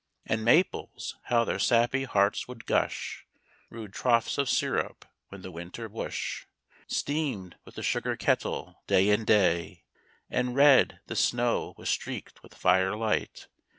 And maples! how their sappy hearts would gush Rude troughs of syrup, when the winter bush Steamed with the sugar kettle, day and night, And, red, the snow was streaked with fire light.